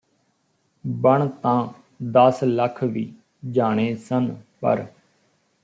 ਬਣ ਤਾਂ ਦਸ ਲੱਖ ਵੀ ਜਾਣੇ ਸਨ ਪਰ